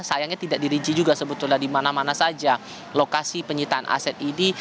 sayangnya tidak diriji juga sebetulnya di mana mana saja lokasi penyitaan aset ini